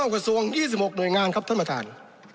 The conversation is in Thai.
กระทรวง๒๖หน่วยงานครับท่านประธาน